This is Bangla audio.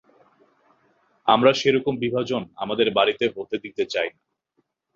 আমরা সেরকম বিভাজন আমাদের বাড়িতে হতে দিতে চাই না!